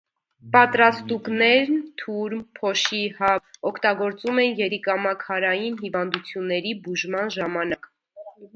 Պատրաստուկներն (թուրմ, փոշի, հաբ) օգտագործում են երիկամաքարային հիվանդությունների բուժման ժամանակ։